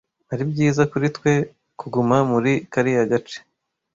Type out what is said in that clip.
ari byiza kuri twe kuguma muri kariya gace.